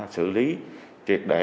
xử lý triệt đệ